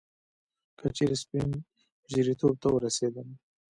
که چیري سپين ژیرتوب ته ورسېدم